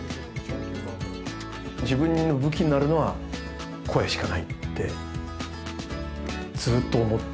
自分の武器になるのは声しかないってずっと思って。